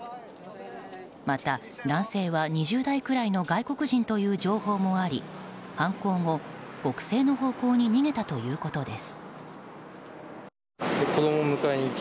また、男性は２０代くらいの外国人という情報もあり犯行後、北西の方向に逃げたということです。